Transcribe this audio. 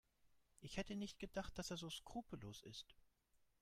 Ich hätte nicht gedacht, dass er so skrupellos ist.